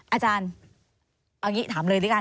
อาจารย์เอาอย่างนี้ถามเลยด้วยกัน